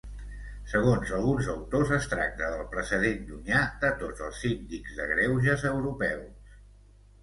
Segons alguns autors es tracta del precedent llunyà de tots els síndics de greuges europeus.